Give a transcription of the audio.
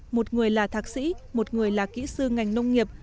một người là thạc sĩ một người là kỹ sư ngành nông nghiệp